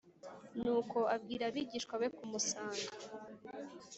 Nuko abwira abigishwa be kumusanga